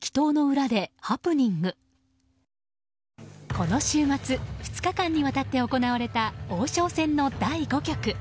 この週末２日間にわたって行われた王将戦の第５局。